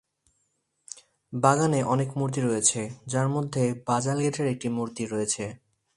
বাগানে অনেক মূর্তি রয়েছে, যার মধ্যে বাজালগেটের একটি মূর্তি রয়েছে।